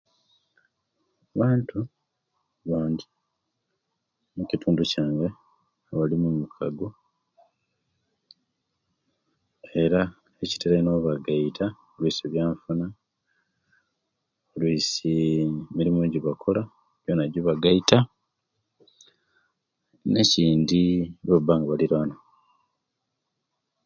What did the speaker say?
Abantu bangi mukitundu kyange abalinamikago era ekitera eino obagaita oluisi byenfuna, oluisi emirimu ejibakola jona jibagaita nekindi owebabba nga balira wamu